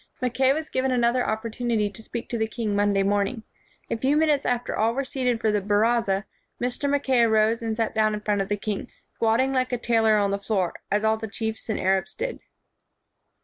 Mackay was given another opportunity to speak to the king Monday morning. A few minutes after all were seated for the ~baraza, Mr. Mackay arose and sat down in front of the king, squatting like a tailor on the floor, as all the chiefs and Arabs did.